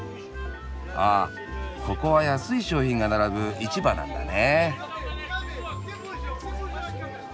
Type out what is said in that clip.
あここは安い商品が並ぶ市場なんだね。